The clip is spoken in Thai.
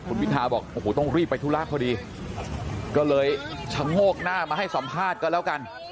คุณพิทาบอกโอ้โหต้องรีบไปธุระพอดีก็เลยชะโงกหน้ามาให้สัมภาษณ์ก็แล้วกัน